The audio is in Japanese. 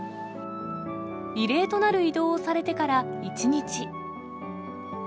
異例となる移動をされてから１日。